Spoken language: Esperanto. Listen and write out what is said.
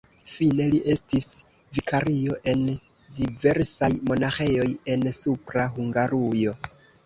Fine li estis vikario en diversaj monaĥejoj en Supra Hungarujo.